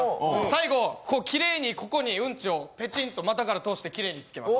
最後、きれいにここにうんちをぺちんと股から通してきれいにつけます。